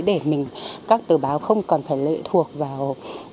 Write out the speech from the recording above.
để mình các tờ báo không còn phải lệ thuộc vào